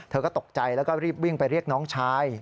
เธอก็ตกใจแล้วก็รีบวิ่งไปเรียกน้องชาย